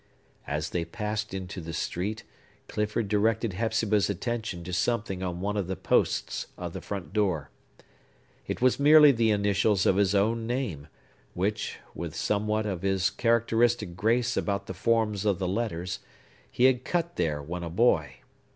As they passed into the street, Clifford directed Hepzibah's attention to something on one of the posts of the front door. It was merely the initials of his own name, which, with somewhat of his characteristic grace about the forms of the letters, he had cut there when a boy.